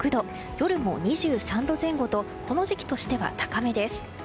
夜も２３度前後とこの時期としては高めです。